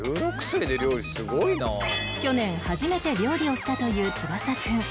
去年初めて料理をしたという翼くん